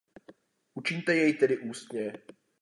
Učiňte jej tedy ústně.